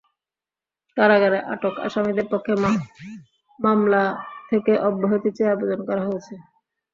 কারাগারে আটক আসামিদের পক্ষে মামলা থেকে অব্যাহতি চেয়ে আবেদন করা হয়েছে।